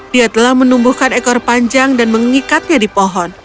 dia telah menumbuhkan ekor panjang dan mengikatnya di pohon